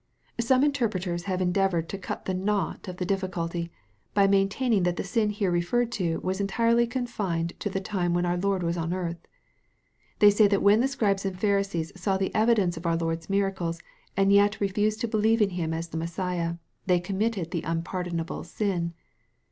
Some interpreters have endeavored to cut the knot of the diffi culty, by maintaining that the sin here referred to was entirely con fined to the time when our Lord was on earth. They say that when the Scribes and Pharisees saw the evidence of our Lord's miracles, and yet refused to believe in Him as the Messiah, they committed the unpardonable sin.